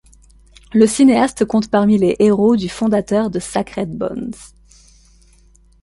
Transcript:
Le cinéaste compte parmi les héros du fondateur de Sacred Bones.